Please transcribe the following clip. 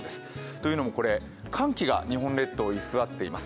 というのも、寒気が日本列島に居すわっています。